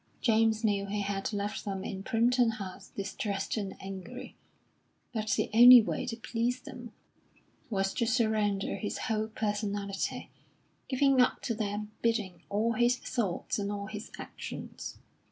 James knew he had left them in Primpton House distressed and angry; but the only way to please them was to surrender his whole personality, giving up to their bidding all his thoughts and all his actions.